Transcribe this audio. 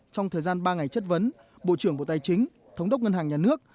trong thời gian ba ngày chất vấn bộ trưởng bộ tài chính thống đốc ngân hàng nhà nước